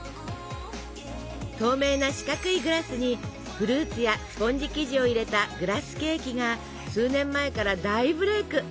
透明な四角いグラスにフルーツやスポンジ生地を入れたグラスケーキが数年前から大ブレイク！